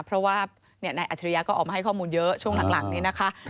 เพราะว่านายอัจฉริยะก็ออกมาให้ข้อมูลเยอะช่วงหลังนี้นะคะ